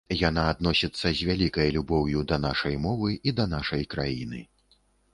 Яна адносіцца з вялікай любоўю да нашай мовы і да нашай краіны.